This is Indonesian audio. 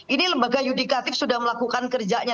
ini lembaga yudikatif sudah melakukan kerjanya